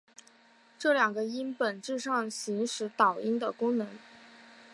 这两个音本质上行使导音的功能。